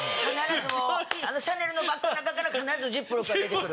シャネルのバッグの中から必ずジップロックが出てくる。